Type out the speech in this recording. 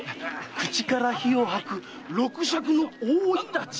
口から火を吐く六尺の大イタチ。